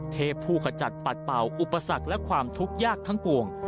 ผู้ขจัดปัดเป่าอุปสรรคและความทุกข์ยากทั้งปวง